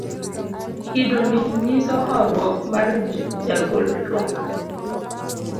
kido ni nyiso horuok mar jagol twak